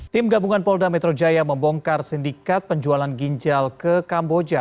tim gabungan polda metro jaya membongkar sindikat penjualan ginjal ke kamboja